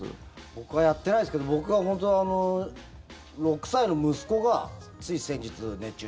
僕はやってないですけど僕は６歳の息子が何中？